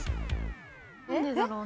何でだろう？